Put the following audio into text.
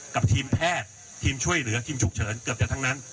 กับทีมแพทย์ทีมช่วยเหลือทีมฉุกเฉินเกือบจะทั้งนั้น